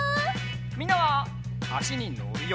みんなはあしにのるよ。